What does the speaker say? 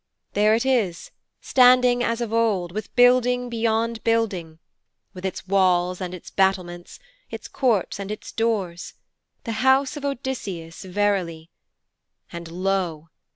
There it is, standing as of old, with building beyond building; with its walls and its battlements; its courts and its doors. The house of Odysseus, verily! And lo!